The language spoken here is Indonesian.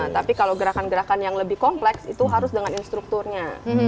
tapi kalau gerakan gerakan yang lebih kompleks itu harus dengan instrukturnya